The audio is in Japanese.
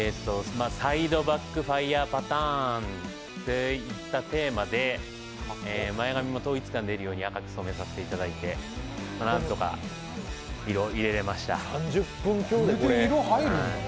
サイドバックファイアパターンでいって前髪も統一感出るように赤く染めさせていただいて、何とか色入れられました。